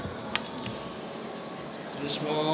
失礼します